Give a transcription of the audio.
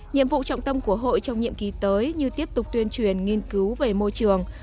nhiệm vụ trọng tâm của hội trong nhiệm kỳ tới như tiếp tục tuyên truyền nghiên cứu về môi trường